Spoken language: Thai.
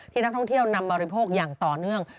นักท่องเที่ยวนำบริโภคอย่างต่อเนื่อง